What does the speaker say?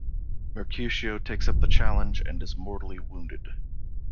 Mercutio takes up the challenge and is mortally wounded.